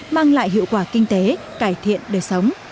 mang lại hiệu quả kinh tế cải thiện đời sống